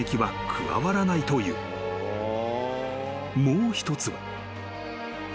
［もう一つは］